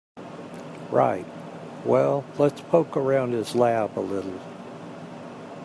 Right, well let's poke around his lab a little.